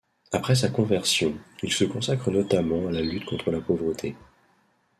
Après sa conversion, il se consacre notamment à la lutte contre la pauvreté.